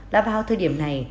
trong thời gian này